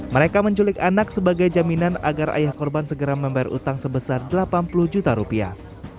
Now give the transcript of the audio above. mereka menculik anak sebagai jaminan agar ayah korban segera membayar utang sebesar delapan puluh juta rupiah